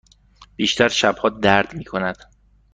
بیشتر شبها درد می کند.